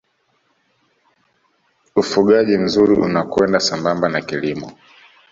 ufugaji mzuri unakwenda sambamba na kilimo